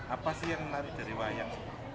apa sih yang menarik dari wayang